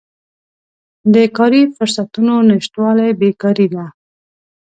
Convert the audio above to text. د کاري فرصتونو نشتوالی بیکاري ده.